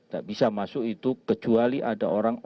tak bisa masuk itu kecuali ada orang